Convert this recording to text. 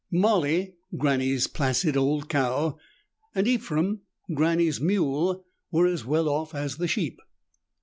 Molly, Granny's placid old cow, and Ephraim, Granny's mule, were as well off as the sheep.